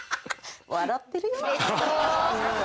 笑ってるよ。